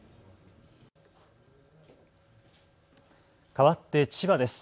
変わって千葉です。